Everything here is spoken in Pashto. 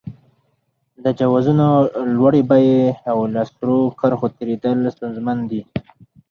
د جوازونو لوړې بیې او له سرو کرښو تېرېدل ستونزمن دي.